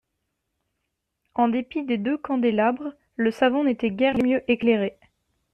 En dépit des deux candélabres, le salon n'était guère mieux éclairé.